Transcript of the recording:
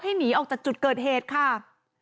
หนีออกจากจุดเกิดเหตุค่ะ